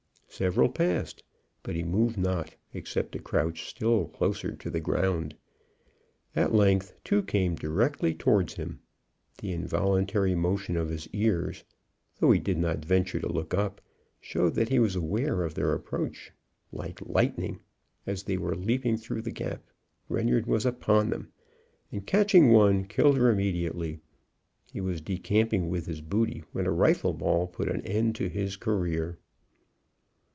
Several passed, but he moved not, except to crouch still closer to the ground. At length two came directly towards him. The involuntary motion of his ears, though he did not venture to look up, showed that he was aware of their approach. Like lightning, as they were leaping through the gap, Reynard was upon them, and catching one, killed her immediately. He was decamping with his booty, when a rifle ball put an end to his career.